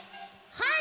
はい！